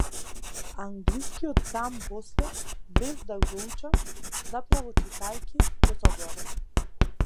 Англискиот сам после, без да го учам, заправо читајќи, го совладував.